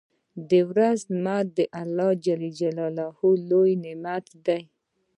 • د ورځې لمر د الله لوی نعمت دی.